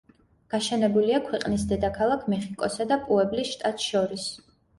გაშენებულია ქვეყნის დედაქალაქ მეხიკოსა და პუებლის შტატს შორის.